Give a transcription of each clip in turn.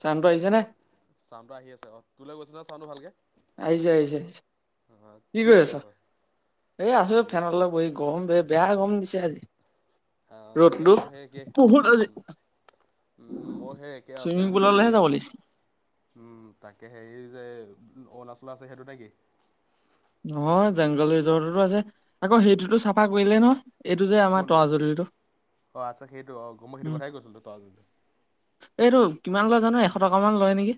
চাউণ্ডটো আহিছে নে? হেল্ল', চাউণ্ডটো আহি আছে অ' কৈলোগোছিলা, সানো হালকে [unintelligible] আহিছে আহিছে কি কৰি আছা? এই আছো ফেন লগত বহি গমৰ বে বেয়া গমৰ দিছে আজি। অহ তাকে ৰ'দটো মই সেই একে বহুত উ আজি উম মই সেই একে আৰু চুইমিং ফেনটো অলপ পুললৈহে বহি যাব আছো লাগিছিল। উম তাকে হে যে অৰুণাচলত আছে সেইটোতে নে কি? নহয় জংঘল ৰিজৰ্টতো আছে আকৌ সেইটোতো চাফা কৰিলে ন'। কোনটো অ' আচ্ছা সেইটো অ মই সেইটো উম কথাই কৈছিলো ত তই, এইটো কিমান লয় জানো এশ টকামান লয় নেকি?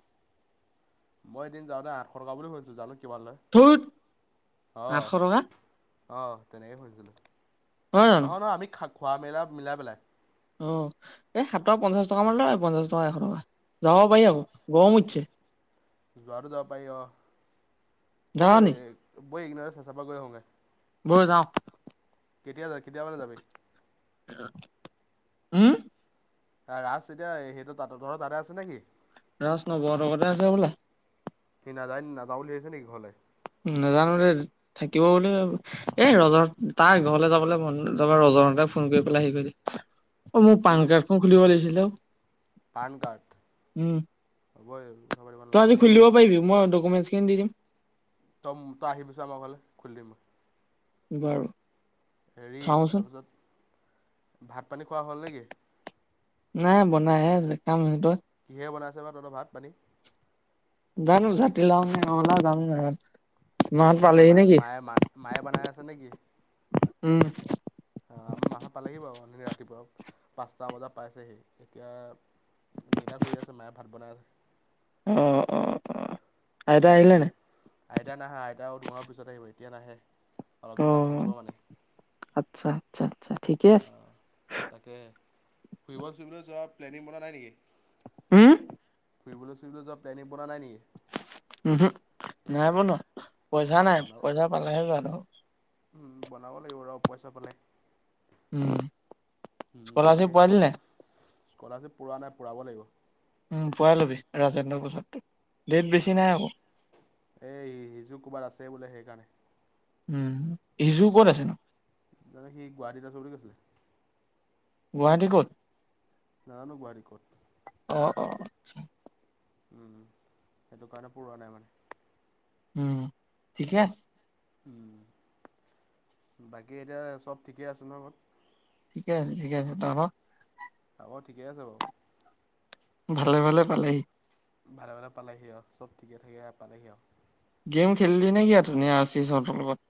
মই এদিন যাওঁতে আঠশ টকা বুলি লৈছো জানো কিব লৈ ধুত অ আঠশ টকা অ তেনেকেই শুধিছিলোঁ নহয় নহয় আমি খা খোৱা মেলা, মিলাই পেলাই। অ', এই সাতশ টকা পঞ্চাশ টকা মান লয় পঞ্চাশ টকা এশ টকা যাব পাৰি আকৌ অ', গৰম উঠিছে যাৱাটো যাব পাই অ যাৱ বৈ, নি ব ইগনাৰাৰেছেচাফা গৈ হওঁগে বৈ যাওঁ কেতিয়া যা কেতিয়াবাৰ যাবি? উম। ৰা এতিয়া সেইটো তাঁ ঘৰ দাদা আছে নেকি ৰাজ নব হতঁৰ ঘৰতে আছে হ'বলা সি না যায় ন ন তাহল আহিছে নেকি ঘৰলে নাজানো দে থাকিব বুলি এই ৰজহত তাৰ ঘৰলৈ যাবলৈ মন য ৰজহঁতে ফোন কৰি পেলাই আহি দ অ মোক উম পান কাৰ্ডখন খুলিব লাগিছিলে অ, উম হ'বই। তই আজি খুলি দিব পাৰিবি মই ডকুমেন্ট দি দিম তই তই আহিবি চোন আমাৰ ঘৰলে খুলি দিমই বাৰু। হেৰিত চাওঁচোন তাৰপিছত, ভাত পানী খোৱা হ'ল নেকি? নাই বনাইে আছে কাম সিহঁত, কিহেৰে বনাইছে বা তহঁত ভাত পানী। জানো জাতিলাও নে ৰঙলাও নাজানো। [inaudible] আচ্ছা পালেহি মায় নেকি মায়ে মায়ে বনাই আছে নেকি? উম। অ' আমাৰ মাহত পালেহি বাৰু এ ৰাতিপুৱা পাঁচটাাম বজাত পাইছেহি এতিয়া দেতা শুই আছে মায়ে ভাত বনাই আছে। অ' অ' অ' আইতা আহিল নে উম নাই? আইতা নাই অহা আইতা আৰু দুমাহৰ পিছত আহিব এতিয়া নাহে। অলপ দিন তাত থাকিব অ' মানে আচ্ছা আচ্ছা। ঠিকে আছে অ' তাকে ফুৰিব- ফুৰিবলৈ যোৱা প্লেনিং বনাোৱা নাই নেকি? উম। ফুৰিলৈ- যোৱা প্লেনিং বোৱা নাইেকি [inaudible] উম, নাই বনোৱা। পইচা নাই, পইচা পালোহে যোৱাটো হয়। উম, বনাব লাগিব আৰু পইচা পালে। উম, স্কলাৰশিপ তাকেহে পালি নাই? স্কলাৰশ্বিপ পোৱা নাই পূৰাব লাগিব। উম, পোৱাই লবি ৰাজেন্দ্ৰ পোজাত তোক। অ' এ সিযো ক'বাত আছে বোলে সেইকাৰণে। সিজুক'ত আছে ন। দাদা সি গুৱাহাটীত চৰি কছলে [inaudible] গুৱাহাটী ক'ত? জানো গুৱাহাৰী কত। অ' অ' আচ্ছা। উম, সেইটো কাৰণে পঢ়ুৱা নাই মানে। উম, ঠিকে আছ উম, বাকী এতিয়া চব ঠিকে আছে ন' ঘৰত? ঠিকে আছে ঠিকে আছে। তাৰপা হ'ব ঠিকে আছে বাৰু। ভালে ভালে পালেহি। ভালে ভালে পালেহি আও, চব ঠিকে থাকে পালেহি আও। গেম খেলিলি নেকি আৰু ধুনীয়া চিচ হঁতৰ লগত?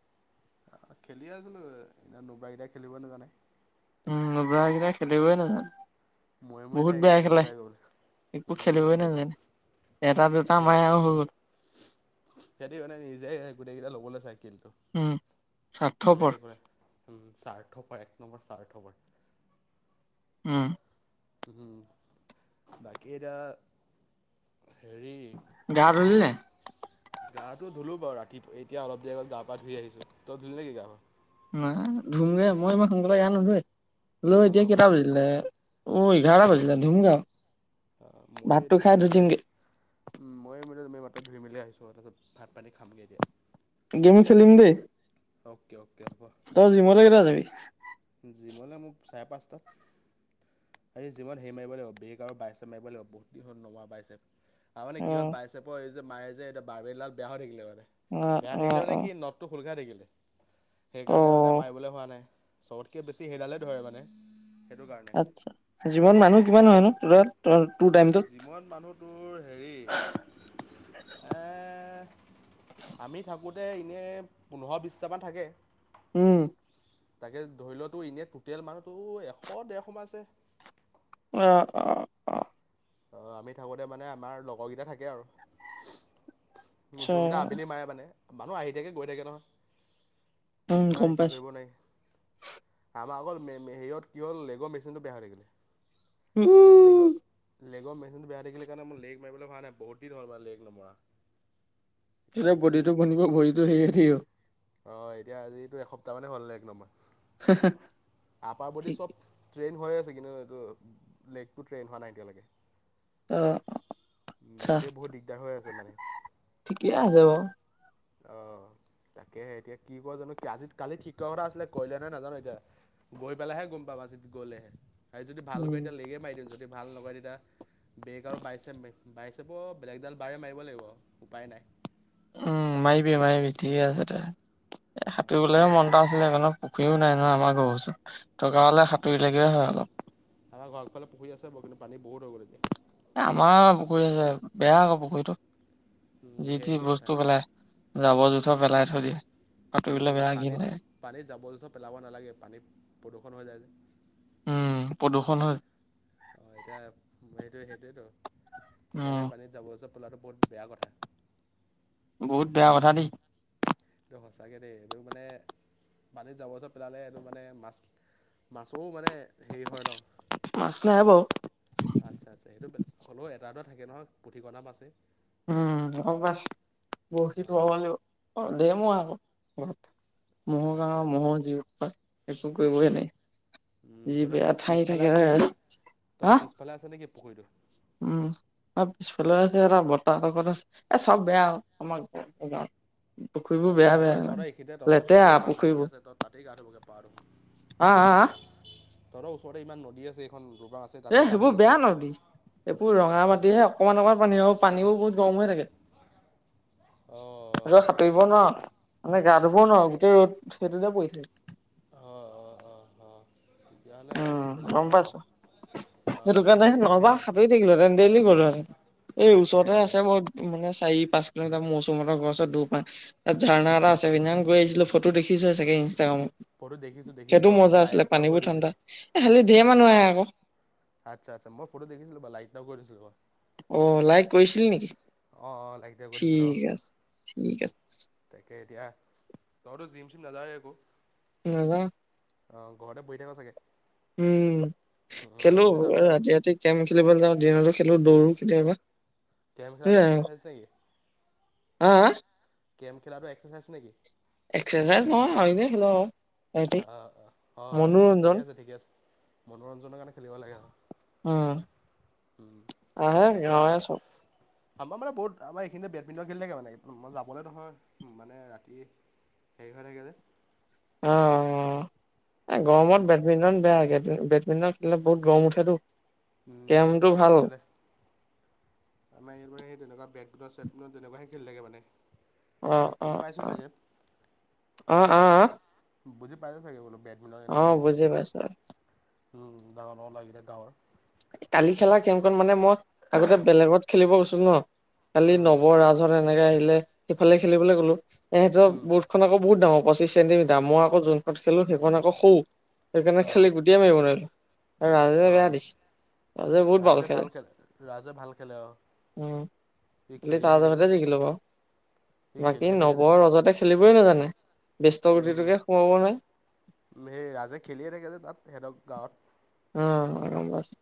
খেলিয়ে আছিলো, এ নুব্ৰা কেইটাই খেলিব নাজানে। উম, নুব্ৰা কিটাই খেলিবই নাজানে। ময় ময় বহুত থাকেগে বেয়া খেলে, প্ৰতিবাই গ'ল, একো উম খেলিবই সেইটোয়েটো, নাজানে, এটা দুটা তাকেই মাৰে আৰু হৈ গ'ল, সেইটো মানে নিজেই গোটেই কেইটা ল'বলে কিন্তু, উম, বেলেগ স্বাৰ্থপৰ, একো নাই চাৰ্থপৰ এক নম্বৰ চাৰ্থফাৰ। উম। উম, বাকী এতিয়া, হেৰি গা ধোলি নাই? তো ধুলো বাৰু ৰাতি, এতিয়া অলপ দেৰি আগত গা পা ধুই আহি তই ধুলি নেকি গা পা? না, ধুমগে মই ইমান সোনকালে গা নোধোৱে। হ'লেও এতিয়া অ', কেইটা বাজিলে? অ' এঘাৰটা বজিলে ধূমগে আও। অ মই এতিয়া ধুৰিম পেলাই উম মই মো তুমি মাত ধুই মেলি আহিছোঁ আৰু তাৰপাছত ভাত-পানী খামগৈ এতিয়া। গেমো খেলিম দেই। Okay okay. তই জিমলে কেতিয়া যাবি? জিমলে মোক চাৰে পাঁচটাত সেই জিমত হেৰি মাৰিব লাগিব বেগ আৰু বাইছে মাৰিব লাগিব বহুত দিন হ'ল নমৰা বাইচেপ আৰু মানে কি অ', হ'ল বাইচেপৰ যে মায়ে যে এতিয়া বাৰবেলডাল বেয়া হৈ থাকিলে অ', বেয়া অ', থাকিলে মানে অ', কি নদটো খোল খাই থাকিল। সেইকাৰণে মানে অ', মাৰিবলে বলে হোৱা নাই। চবতকে বেছি সেইডালেই ধৰে মানে সেইটো কাৰণে আচ্ছা জীৱন মানুহ কিমান হয় নো [unintelligible] যিমান মানুহটোৰ হেৰি এ আমি থাক আগতে এনেই পোন্ধৰ বিছটামান থাকে। উম। তাকে ধৰি লোৱাতো এনে টুটেল মানুহটো এশ ডেৰশ মান আছে। অহ অহ অহ অ' আমি থাকোতে মানে আমাৰ লগৰকেইটা থাকে আৰু আচ্ছা ওজো কেইটা আবেলি মাৰে মানে মানুহ আহি থাকে, গৈ থাকে নহয়। উম, নাই গম পাইছোঁ। [unintelligible] হেৰিঅ'ত কি হ'ল, লেগৰ মেচিনটো বেয়া হৈ থাকিলে। সেই লেগৰ লেগৰ মেচিনটো বেয়া হৈ থাকিলে কাৰণে মোৰ লেগ মাৰিবলে হোৱা নাই, বহুত দিন হ'ল মানে লেগ নমৰা। এতিয়া [unintelligible] আজি বডীটো বনিব, ভৰিটো হেৰি হৈ থাকিব। অ' এতিয়া আজিতো এসপ্তাহ মানে হ'ল লেগ নমৰা। আপাৰ বডী ঠিক চব। ট্ৰেইন হৈয়ে আছে কিন্তু এইটো লেগটো ট্ৰেইন হোৱা নাই এতিয়ালেকে। আহ, আচ্ছা বহুত দিগদাৰ হৈ আছে মানে ঠিকে আছে বাও। অ' তাকেহে, এতিয়া কি কৰে জানো। আজিত কালি ঠিক কথা আছিলে, কৰিলে নে নাজানো এতিয়া? গৈ পেলাইহে গম পাবা আজিত গ'লেহে। আজি যদি ভাল উম। কৰি দিয়ে লেগে মাৰি দিম, যদি ভাল নকৰে তেতিয়া। বেক আৰু বাইছেপ মাৰিম, বাইচেপৰ বেলেগডাল বাৰে মাৰিব লাগিব আৰু উপায় নাই। উম, মাৰিবি মাৰিবি ঠিকে আছে দে। এ অ', তই সাঁতুৰিবলৈহে মন এটা আছিলেগে ন'। পুখুৰীও নাই নহয় আমাৰ ঘৰৰ ওচৰত। থকা হলে আমাৰ সাঁতুৰিলেগে হয় অলপ। আমাৰ ঘৰৰ আগফালে পুখুৰী আছো বাৰু, কিন্তু পানী বহুত হৈ গ'ল এতিয়া। এ আমাৰ পুখুৰী আছে, বেয়া আকৌ পুখুৰীটো। উম, যি সেই তি একেই কথা। বস্তু পেলাই, যাবৰ জোথ ত' পেলাই থৈ দিয়ে। [unintelligible] উম, বেয়া পানীত ঘিণ লাগে। পানীত জাবৰ জোথৰ পেলাব নালাগে, পানীত প্ৰদূষণ হৈ যায় যে। উম, প্ৰদূষণ হয়। অ' এতিয়া সেইটো সেইটোৱেটো। উম, সেইকাৰণে পানীত জাবৰ-জোঁথৰ পেলোৱাটো বহুত বেয়া কথা। বহুত বেয়া কথা দেই। এইটো সঁচাকৈ দেই এইটো মানে, পানীত জাবৰ-জোঁথৰ পেলালে এইটো মানে মাছ, মাছৰো মানে হেৰি হয় ন', মাছ নাই বাৰু। আচ্ছা-আচ্ছা, সেইটো বে হ'লেও এটা দুটা থাকে নহয় পুঠিকণা মাছেই। উম, ক'ৰবাত বৰশী [unintelligible] অঁ লাগিব। অ' দে মই আহোঁ। মহৰ আচ্ছা কাৰনে আচ্ছা মহৰ যি উৎপাত, একো কৰিবই নোৱাৰি, উম, যি তহঁতৰ কি বেয়া ঠাই পিছফালে আছে থাকেই [unintelligible] হা পুখুৰীতো। উম, অ' পিছফালেও আছে এটা বৰ্তা হতৰ ঘৰত আছে, এই চব বেয়া আমাৰ গাঁৱত। পুখুৰীবোৰ বেয়া বেয়া তহঁতৰ-তহঁতৰ মানে। এইখিনিতে, তহঁতৰ লেতেৰা ওচৰতে ইমান নদী পুখুৰীবোৰ। আছে তই তাতেই গা ধুবগৈ পাৰ দেখোন। হা হা হা তহঁতৰ ওচৰতে ইমান নদী আছে এইখন দ এই সেইবোৰ বেয়া নদী। এইবোৰ ৰঙা মাটিহে, অকণমান অকণমান পানী হে আৰু পানীও বহুত গৰম হৈ থাকে। আকৌ অঁ সাঁতুৰিব নোৱাৰ, মানে গা ধুব নোৱাৰো গোটেই ৰ'দ সেইটোতে পৰি থাকে। অ অ অ অ [unintelligible] উম গম পাইছো, সেইটো অঁ কাৰণে অঁ নহবা তাকেহে সাতুৰি থাকিলোহেঁতেন, ডেইলি গলোহেঁতেন, এই ওচৰতে তাকেহে আছে মই মানে চাৰি পাঁচ কিলোমিটাৰ মৌচুম হতৰ ঘৰৰ ওচৰত দুৱপা। তাত ঝাৰ্ণা এটা আছে, সেইদিনা খন গৈ আহিছিলো ফটো দেখিছয়ে চাগে। তাগামত, ফটো দেখিছোঁ দেখিছোঁ সেইটো অ মই মজা লাইক আছিলে এটাও পানী কৰি বোৰ ঠাণ্ডা। দিছিলোঁ। এ খালি ধেৰ মানুহ আহে আক' আচ্ছা আচ্ছা, মই ফটো দেখিছিলো বাও লাইক এটা কৰি দিছিলো মই। অহ লাইক কৰিছিলি নেকি? অঁ অঁ লাইক এটা কৰি দিছিলো অঁ। ঠিক আছে ঠিক আছে তাই কে এতিয়া, তইতো জিম চিম নাযায় একো? নাযাওঁ। অঁহ ঘৰতে বহি থাক চাগে? উম খেলো, জিম চিম যাবি এ আৰু। ৰাতি ৰাতি কেৰেম খেলিবলৈ যাওঁ দিনতো খেলো, দৌৰো কেতিয়াবা। কেৰেম খেলাটো এক্সাৰচাইজ নেকি? আ, আ গেম খেলাটো এক্সাৰচাইজ নেকি? এক্সাৰচাইজ নহয় আও এনেই খেলো আও। অ' অ' অ' অ' ঠিকে আছে ঠিকে আছে। মনোৰঞ্জনৰ কাৰণে খেলিব লাগে আৰু উম, আমাৰ আহে ইয়াত কে গাঁৱৰে চব আমাৰ মানে বহুত আমাৰ এইখিনিতে বেডমিণ্টন খেলি থাকে মানে মই যাবলৈ নহয় মানে ৰাতি দেৰি হৈ থাকে যে অ' অ ' এই গৰমত বেডমিণ্টন বেয়া বেডমিণ্টন খেলিলে বহুত গৰম উঠে টো। উম সেইকাৰণে এতিয়া খেলে আমাৰ এই মানে সেই তেনেকুৱা ব [unintelligible] চেম্পিয়ন তেনেকুৱাহে খেলি থাকে মানে অহ- বুজি অহ পাইছোঁ -অহ। চাগে অহ - অহ - অহ বুজি পাইওভছাগে বলো অ' বুজি পাইছোঁ। উম ডাঙৰ- ডাঙৰ লাগিলে গাঁৱৰ কালি খেলা খেলখন মানে মই আগতে বেলেগত খেলিব গৈছোঁ [unintelligible] কালি উম নৱ, ৰাজহঁত এনেকে আহিলে ইফালে খেলিবলৈ গলোঁ। এহঁতৰ উম বৰ্ডখন আকৌ বহুত ডাঙৰ পঁচিশ চেণ্টিমিটাৰ মই আকৌ যোনখন খেলোঁ সেইখন আকৌ সৰু। সেইকাৰণে অহ খালি গুটিয়ে মাৰিব নোৱাৰিলোঁ। আৰু ৰাজে বেয়া অহ দিছে ৰাজে বহুত ভাল খেলে, ৰাজে ভাল খেলে অহ উম সি কালি খেলিয়ে তাৰ থাকে যে যহতে জিকিলোঁ সি বাৰু বাকী খেলিয়ে থাকে নব যে আৰু ৰজতে খেলিবই নাজানে। ব্যস্ত উম, গুটিটোকে সোমাব নোৱাৰে উ হেই ৰাজে খেলিয়ে থাকে যে তাত, সেহঁতৰ গাঁৱত। অ', গম পাইছোঁ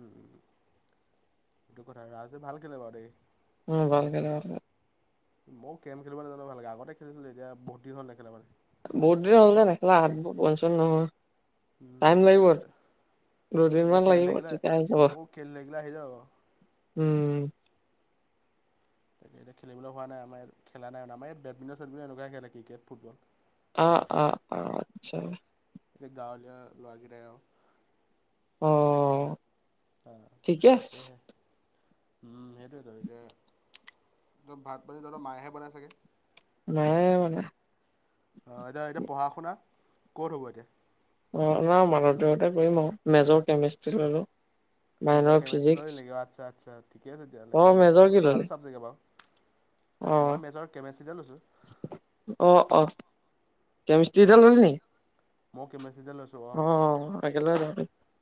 উম উম এইটো কথা ৰাজে ভাল খেলে বাও দেই। উম বালকে মই ও কেৰম খেলিব নাজানো ভালকে আগতে খেলি চিলো এতিয়া বহুত দিন হল নেখেলা‌ মানে। বহুত দিন হ'ল যে নাখেলা। উম, টাইম লাগিব, ময়ো দুদিন ময়ো মান খেলি লাগিব থাকিলে তেতিয়া আহি যাব, ময়ো খেলি থাকিলে আহি যাওঁ আৰু। উম। [inaudible] খেলিবলে হোৱা নাই আমাৰ ইয়াত‌ খেলা নাই ন আমাৰ ইয়াত বেটমিনটন এনেকুৱা খেলে ক্ৰিকেট ফুটবল। অ- অ অতচা। গাঁৱলিয়া লৰা কেইটাই আও। অঁ। আহ, তাঁকেই হে। উম সেইটোৱেই তো, এতিয়া -ত ভাত পানী ত- ত মায়ে হে বনাই চাগে। নাই মানে। অ এতিয়া -এতিয়া পঢ়া শুনা কত হব এতিয়া। অঁ নাই কৰিম আৰু মেজৰ কেমিষ্ট্ৰ্ৰী ল'লো। মেজৰ মাইনৰ কেমেষ্টী ফিজিক্স ললি নেকি আচ্ছা আচ্ছ। কিহত তেতিয়া হলে কেমেষ্ট্ৰি টো ভাল চাবজেক্ট তে বাও। আহ, লৈছোঁ আহ -আহ। কেমিষ্ট্ৰী তই ললি নেকি। মই ও কেমিষ্ট্ৰ্ৰীতে লৈছো একেলগে ল'লো। বাৰু,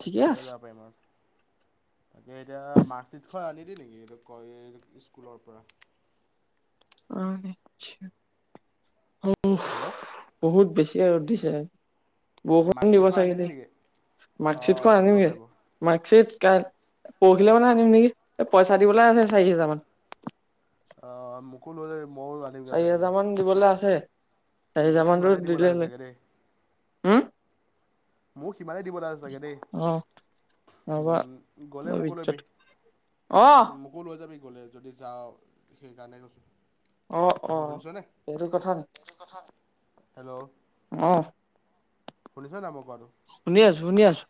ঠিকে একেলগে আছে। যাব পাৰিম আৰু তাকে এতিয়া মাৰ্কচিত খন‌ আনি স্কুলৰ পৰা। [unintelligible] উস, হেল্ল' বহুত বেছি! ৰ'দ দিছেনে? বৰষুণ [unintelligible] দিব মাৰ্কশ্বিটখন চাগে আনিলি দে, নেকি? অঁ মাৰ্কশ্বিতখন দিব আনিমগে। পাৰিব। মাৰ্কশ্বিত কাই পৰসিলৈ মানে আনিম নেকি, অ পইচা দিবলৈ আছে চাৰি হেজাৰ মান। অ' মোক ও লৈ যাব চাৰি হাজাৰ মান দিবলৈ আছে। চাৰি মও হেজাৰ মানতো সিমানে দিব দিলে লাগাছে লৈ চাগে দেই। হম মো সিমানেই দিব লাগে চাগে দেই। অ নহবা উম গ'লে অলপ মোকো ইজ্জত লবি, অ মোকো লৈ যাবি লে যদি যাৱ, সেইকাৰণে কৈছোঁ। অ অ, শুনিছনে এইটো কথা নি? হেল্ল' অহ। শুনিছা নাই মোক? শুনি আছোঁ, শুনি আছোঁ।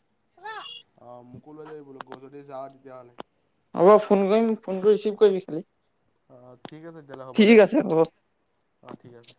অ মোকো লৈ যাবি‌ বোলো, গ যদি যাৱ তেতিয়াহ'লে। হ'ব ফোন কৰিম, ফোনটো ৰিচিভ কৰিবি খালি। অ ঠিক আছে তেতিয়াহলে হ'ব দে। ঠিক আছে হ'ব অ ঠিক আছে।